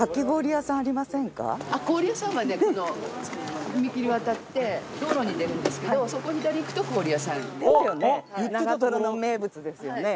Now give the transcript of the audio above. この踏切渡って道路に出るんですけどそこ左行くと氷屋さん。ですよね？